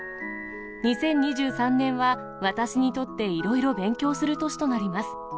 ２０２３年は、私にとっていろいろ勉強する年となります。